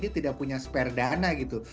dia tidak punya spare dana gitu